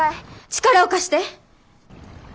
力を貸して。